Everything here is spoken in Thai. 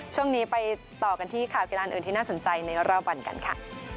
ช่วงนี้ไปต่อกันที่ข่าวกีฬานอื่นที่น่าสนใจในรอบวันกันค่ะ